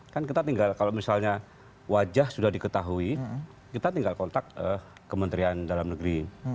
kan kita tinggal kalau misalnya wajah sudah diketahui kita tinggal kontak kementerian dalam negeri